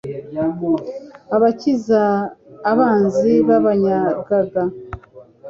abakiza abanzi babanyagaga